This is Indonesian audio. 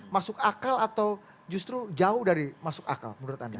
masuk akal atau justru jauh dari masuk akal menurut anda